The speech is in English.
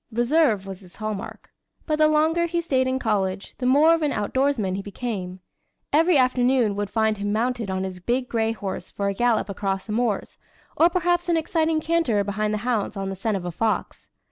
Reserve was his hallmark. But the longer he stayed in college, the more of an outdoorsman he became. Every afternoon would find him mounted on his big gray horse for a gallop across the moors, or perhaps an exciting canter behind the hounds on the scent of a fox.